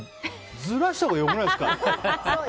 ずらしたほうがよくないですか？